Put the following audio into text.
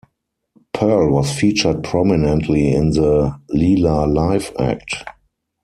Pearl was featured prominently in the Leila live act.